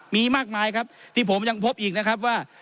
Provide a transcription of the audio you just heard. มีมากมายครับที่ผมยังพบอีกนะครับว่า